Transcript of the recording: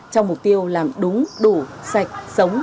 trong mục tiêu làm đúng đủ sạch sống